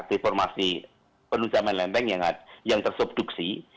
reformasi penunjangan lempeng yang tersubduksi